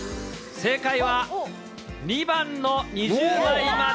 正解は、２番の２０枚まで。